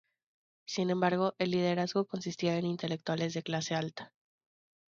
Sin embargo, el liderazgo consistía en intelectuales de clase alta.